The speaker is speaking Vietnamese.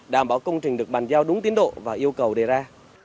đảm bảo công trình được bàn giao đúng tiến độ và yêu cầu đề ra